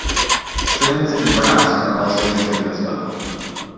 Strings and Brass are also featured as well.